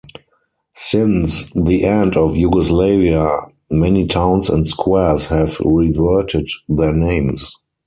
Since the end of Yugoslavia, many towns and squares have reverted their names.